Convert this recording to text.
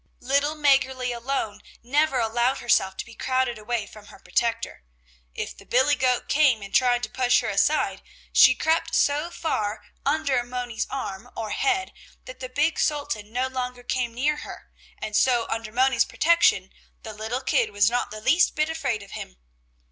Little Mäggerli alone never allowed herself to be crowded away from her protector; if the billy goat came and tried to push her aside, she crept so far under Moni's arm or head that the big Sultan no longer came near her, and so under Moni's protection the little kid was not the least bit afraid of him.